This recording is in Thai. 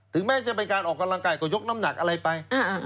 แม้จะเป็นการออกกำลังกายก็ยกน้ำหนักอะไรไป